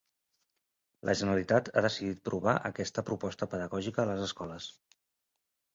La Generalitat ha decidit provar aquesta proposta pedagògica a les escoles.